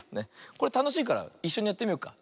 これたのしいからいっしょにやってみようか。